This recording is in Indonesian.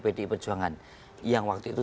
pdi perjuangan yang waktu itu